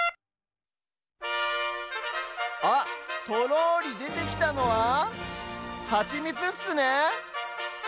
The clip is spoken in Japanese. あっとろりでてきたのはハチミツっすね。